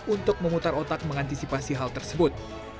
untuk memutar otak mengantisipasi hal tersebut